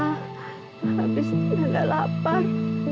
habis itu nenek lapar